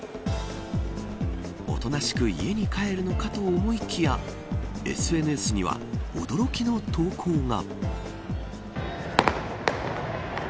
おとなしく家に帰るのかと思いきやＳＮＳには驚きの投稿が。